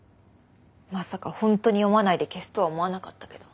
まさか本当に読まないで消すとは思わなかったけど。